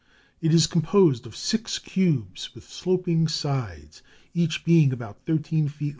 It is composed of six cubes, with sloping sides, each being about 13 ft.